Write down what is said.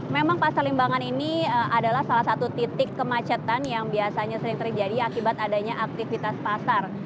memang pasar limbangan ini adalah salah satu titik kemacetan yang biasanya sering terjadi akibat adanya aktivitas pasar